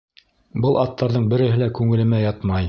— Был аттарҙың береһе лә күңелемә ятмай.